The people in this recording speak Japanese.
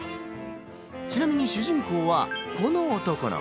ちなみに主人公は、この男の子。